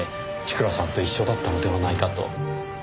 千倉さんと一緒だったのではないかと。